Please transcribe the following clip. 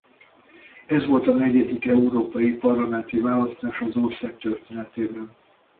Ez volt a negyedik európai parlamenti választás az ország történetében.